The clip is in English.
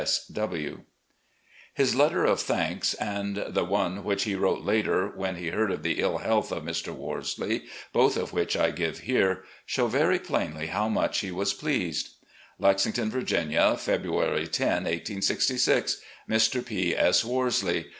"P. S. W.'' His letter of thanks, and the one which he wrote later, when he heard of the ill health of Mr. Worsley — ^both of which I give here — show very plainly how much he was pleased : "Lexington, Virginia, February 10, 1866. "Mr. P. S. Worsley.